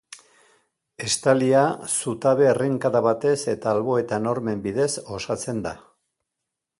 Estalia, zutabe errenkada batez eta alboetan hormen bidez osatzen da.